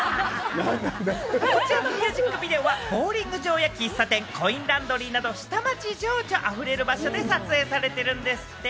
こちらのミュージックビデオはボウリング場や喫茶店、コインランドリーなど、下町情緒溢れる場所で撮影されてるんですって。